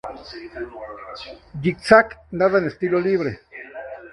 Yitzhak nada en estilo libre.